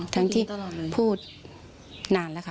เธออิกแล้ว